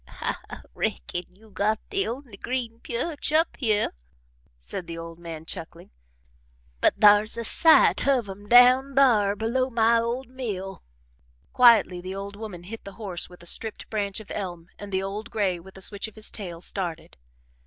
"I reckon you got the only green pyerch up hyeh," said the old man, chuckling, "but thar's a sight of 'em down thar below my old mill." Quietly the old woman hit the horse with a stripped branch of elm and the old gray, with a switch of his tail, started.